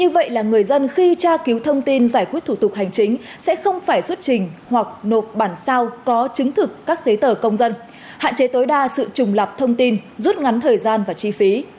vậy là người dân khi tra cứu thông tin giải quyết thủ tục hành chính sẽ không phải xuất trình hoặc nộp bản sao có chứng thực các giấy tờ công dân hạn chế tối đa sự trùng lập thông tin rút ngắn thời gian và chi phí